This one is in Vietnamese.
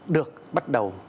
được bắt đầu